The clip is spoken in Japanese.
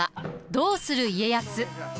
「どうする家康」。